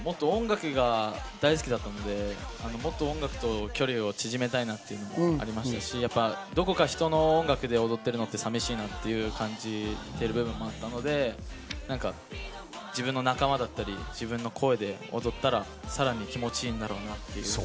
音楽が大好きだったので、もっと音楽と距離を縮めたいなというのがありましたし、どこか人の音楽で踊ってるのって寂しいなって感じてる部分もあったので、自分の仲間だったり、自分の声で踊ったら、さらに気持ちいいんだろうなって。